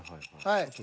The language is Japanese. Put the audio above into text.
はい。